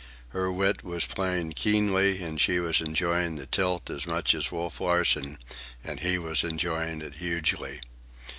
Her wit was playing keenly, and she was enjoying the tilt as much as Wolf Larsen, and he was enjoying it hugely.